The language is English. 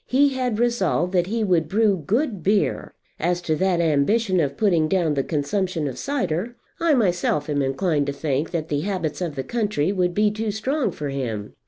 He had resolved that he would brew good beer. As to that ambition of putting down the consumption of cider, I myself am inclined to think that the habits of the country would be too strong for him.